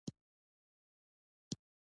افغانستان د سیلابونه لپاره مشهور دی.